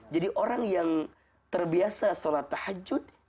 jadi orang yang terbiasa salat tahajud